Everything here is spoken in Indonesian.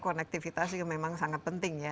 konektivitas juga memang sangat penting ya